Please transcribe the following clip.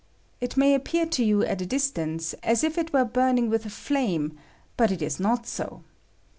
It may appear to you at a distance as if it were burning with a flame ; but it is not so.